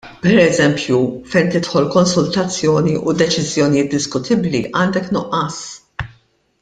Pereżempju fejn tidħol konsultazzjoni u deċiżjonijiet diskutibbli għandek nuqqas.